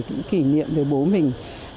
những kỷ niệm về bố mình